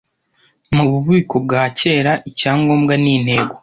Mububiko bwa kera? Icyangombwa ni intego,